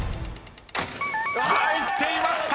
［入っていました！